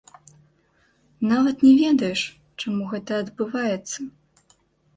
Нават не ведаеш, чаму гэта адбываецца.